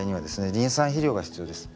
リン酸肥料が必要です。